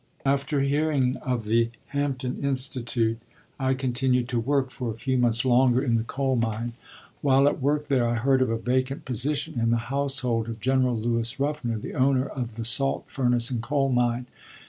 After hearing of the Hampton Institute, I continued to work for a few months longer in the coal mine. While at work there, I heard of a vacant position in the household of General Lewis Ruffner, the owner of the salt furnace and coal mine.